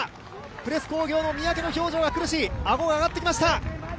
プレス工業の三宅の表情が苦しい顎が上がってきました、